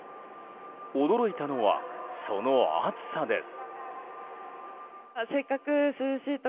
驚いたのは、その暑さです。